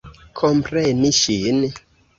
Kompreni ŝin.